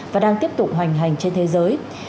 và đang tiếp tục hoành hành trên thế giới